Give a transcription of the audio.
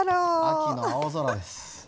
秋の青空です。